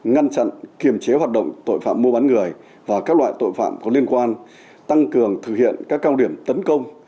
ngăn chặn kiềm chế hoạt động tội phạm mua bán người và các loại tội phạm có liên quan tăng cường thực hiện các cao điểm tấn công